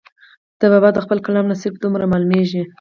د بابا د خپل کلام نه صرف دومره معلوميږي